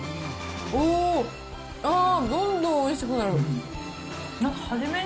おー、あー、どんどんおいしくなる。